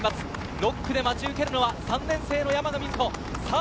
６区で待ち受けるのは３年生の山賀瑞穂。